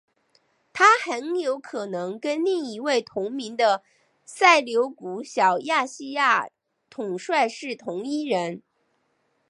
他很有可能跟另一位同名的塞琉古小亚细亚统帅是同一人。